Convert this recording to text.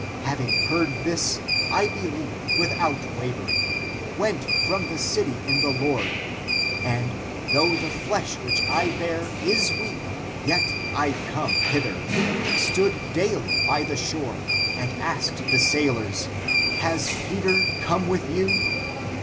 Having heard this, I beheved without wavering, went from the city in the Lord, and, though the flesh which I bear is weak, yet I came hither, stood daily by the shore, and asked the sailors. Has Peter come with you?